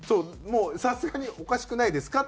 もうさすがにおかしくないですか？